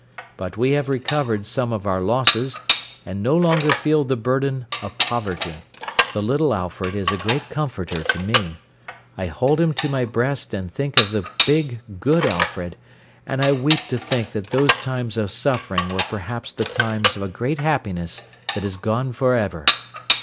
But we have recovered some of our losses, and no longer feel the burden of poverty. The little Alfred is a great comforter to me. I hold him to my breast and think of the big, good Alfred, and I weep to think that those times of suffering were perhaps the times of a great happiness that is gone for ever.'"